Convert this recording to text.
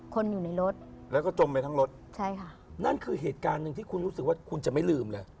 คนอยู่ในรถแล้วก็จมไปทั้งรถใช่ค่ะนั่นคือเหตุการณ์หนึ่งที่คุณรู้สึกว่าคุณจะไม่ลืมเลย